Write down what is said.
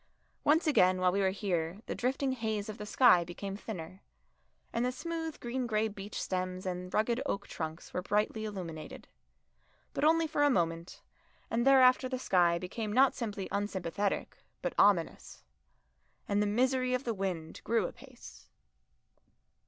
Once again while we were here the drifting haze of the sky became thinner, and the smooth green grey beech stems and rugged oak trunks were brightly illuminated. But only for a moment, and thereafter the sky became not simply unsympathetic but ominous. And the misery of the wind grew apace.